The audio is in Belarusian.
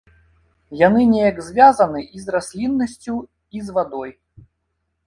Яны неяк звязаны і з расліннасцю, і з вадой.